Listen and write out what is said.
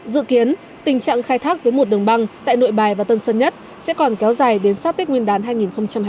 dự kiến tình trạng khai thác với một đường băng tại nội bài và tân sơn nhất sẽ còn kéo dài đến sát tết nguyên đán hai nghìn hai mươi